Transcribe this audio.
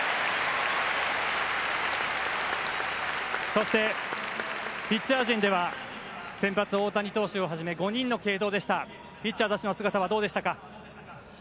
そしてピッチャー陣では先発大谷投手をはじめ５人の継投ピッチャーたちの姿はどうでしたか？